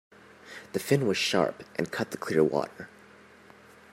The fin was sharp and cut the clear water.